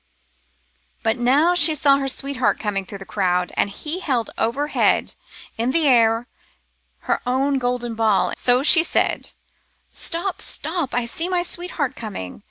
But now she saw her sweetheart com ing through the crowd, and he held overhead i' t' air her own golden ball ; so she said —' Stop, stop, I see my sweetheart coming